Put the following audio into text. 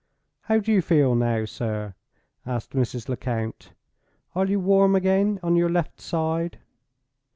"How do you feel now, sir?" asked Mrs. Lecount. "Are you warm again on your left side?"